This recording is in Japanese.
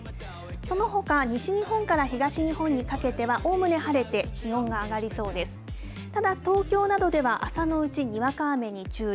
そのほか西日本から東日本にかけてはおおむね晴れて気温が上がりそうです。